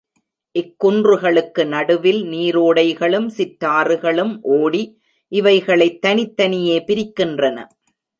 இக்குன்றுகளுக்கு நடுவில் நீரோடைகளும் சிற்றாறுகளும் ஓடி, இவைகளைத் தனித்தனியே பிரிக்கின்றன.